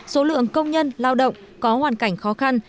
số lượng công nhân lao động có hoàn cảnh khó khăn